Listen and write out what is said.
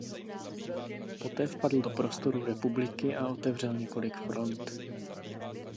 Poté vpadl do prostoru Republiky a otevřel několik front.